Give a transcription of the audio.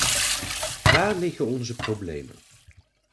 Waar liggen onze problemen?